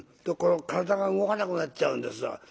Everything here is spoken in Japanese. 体が動かなくなっちゃうんですよ。